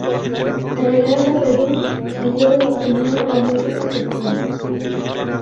De regreso al Perú siguió difundiendo la música peruana.